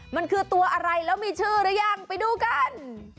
มันคือตัวอะไรแล้วมีชื่อหรือยังไปดูกัน